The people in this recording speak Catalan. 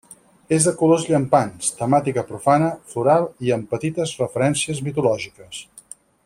És de colors llampants, temàtica profana, floral i amb petites referències mitològiques.